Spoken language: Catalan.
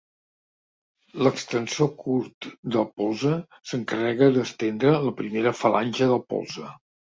L'extensor curt del polze s'encarrega d'estendre la primera falange del polze.